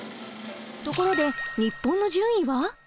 ところで日本の順位は？